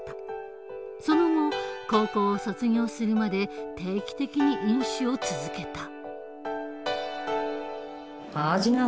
その後高校を卒業するまで定期的に飲酒を続けた。